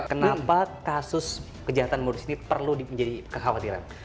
kenapa kasus kejahatan modus ini perlu menjadi kekhawatiran